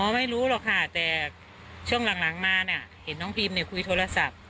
ไม่รู้หรอกค่ะแต่ช่วงหลังหลังมาเนี้ยเห็นน้องพิมเนี้ยคุยโทรศัพท์